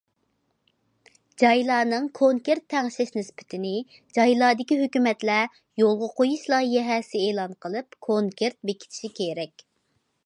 جايلارنىڭ كونكرېت تەڭشەش نىسبىتىنى جايلاردىكى ھۆكۈمەتلەر يولغا قويۇش لايىھەسى ئېلان قىلىپ كونكرېت بېكىتىشى كېرەك.